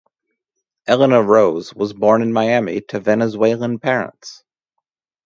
Elena Rose was born in Miami to Venezuelan parents.